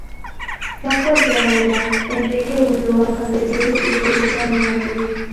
Sea cual sea la verdad, Enrique huyó de Canterbury y regresó a Normandía.